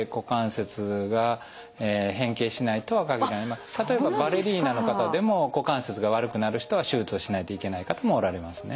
必ずしも例えばバレリーナの方でも股関節が悪くなる人は手術をしないといけない方もおられますね。